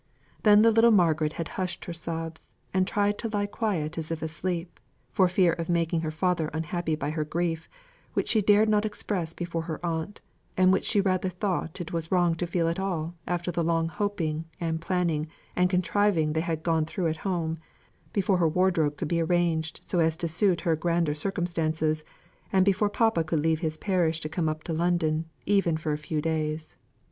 Then the little Margaret had hushed her sobs, and tried to lie quiet as if asleep, for fear of making her father unhappy by her grief, which she dared not express before her aunt, and which she rather thought it was wrong to feel at all after the long hoping, and planning, and contriving they had gone through at home, before her wardrobe could be arranged to suit her grander circumstances, and before papa could leave his parish to come up to London, even for a few days.